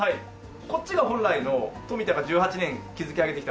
こっちが本来のとみ田が１８年築き上げてきたもので。